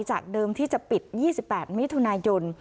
จากเดิมที่จะปิด๒๘มิถุนายน